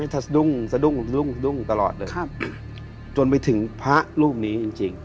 เขาจะซะดุ้งตลอดเลยจนไปถึงพระรูปนี้จริง